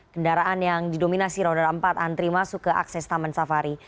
kendaraan yang didominasi roda empat antri masuk ke akses taman safari